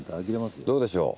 どうでしょう。